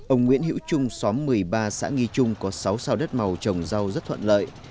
ông nguyễn hữu trung xóm một mươi ba xã nghi trung có sáu sao đất màu trồng rau rất thuận lợi